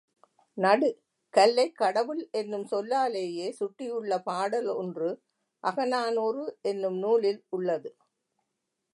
நடு, கல்லைக் கடவுள் என்னும் சொல்லாலேயே சுட்டியுள்ள பாடல் ஒன்று அகநானூறு என்னும் நூலில் உள்ளது.